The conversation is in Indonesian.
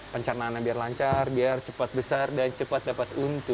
pencernaannya biar lancar biar cepat besar dan cepat dapat untung